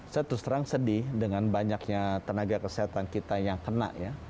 saya terus terang sedih dengan banyaknya tenaga kesehatan kita yang kena ya